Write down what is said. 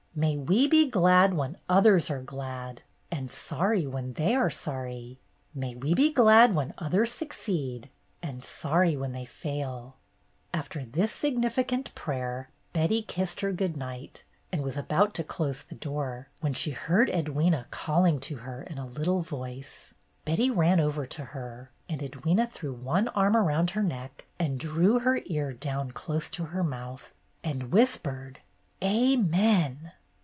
"May we be glad when others are glad, and sorry when they are sorry. May we be glad 1 88 BETTY BAIRD'S GOLDEN YEAR when others succeed, and sorry when they After this significant prayer Betty kissed her good night and was about to close the door, when she heard Edwyna calling to her in a little voice. Betty ran over to her, and Edwyna threw one arm around her neck and drew her ear down close to her mouth, and whispered ''Amen!